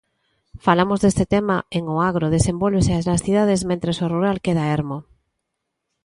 Falamos deste tema en 'O agro desenvólvese nas cidades mentres o rural queda ermo'.